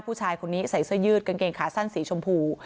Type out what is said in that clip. ผู้ชายคนนี้ใส่เสื้อยืดกางเกงขาสั้นสีชมพู